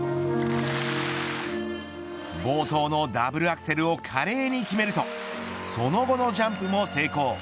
冒頭のダブルアクセルを華麗に決めるとその後のジャンプも成功。